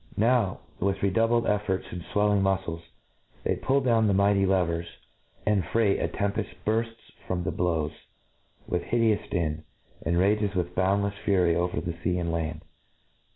" Nowy with Fcdonbl^d efforts and fwelling mufcles, they pull down the mighty levers, and ftreight a tempeft burfts 'from the bllows with hideous din, and rages with boundlefe fury over fea and lahd.